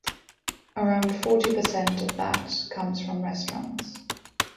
around forty percent of that comes from restaurants.